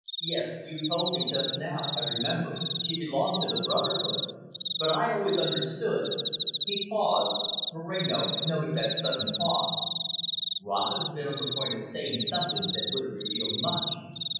"Yes, you told me just now, I remember, she belonged to the brotherhood. But I always understood " He paused; Moreno noted that sudden pause. Rossett had been on the point of saying something that would have revealed much.